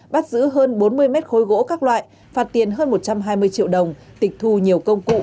bắt giữ hơn bốn mươi mét khối gỗ các loại phạt tiền hơn một trăm hai mươi triệu đồng tịch thu nhiều công cụ